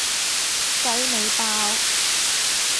雞尾包